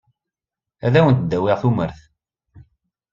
Ad awent-d-awiɣ tumert.